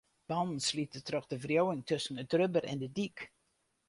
Bannen slite troch de wriuwing tusken it rubber en de dyk.